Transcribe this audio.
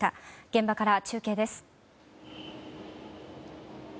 現場から中継です。